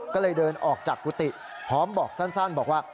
ก็เลยเดินออกจากกุฏิพร้อมบอกสั้นบอกว่า